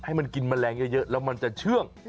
ให้มันกินแมลงเยอะแล้วมันจะเชื่อง